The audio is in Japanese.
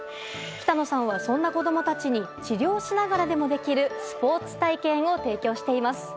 北野さんは、そんな子供たちに治療しながらでもできるスポーツ体験を提供しています。